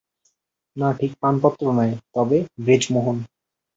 না, ঠিক পানপত্র নয়, তবে-ব্রেজমোহন।